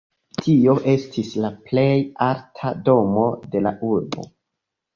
Tio estis la plej alta domo de la urbo.